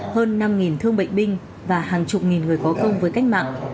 hơn năm thương bệnh binh và hàng chục nghìn người có công với cách mạng